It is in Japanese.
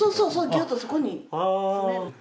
ギュッとそこに詰める。